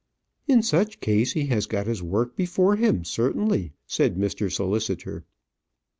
"In such case he has got his work before him, certainly," said Mr. Solicitor.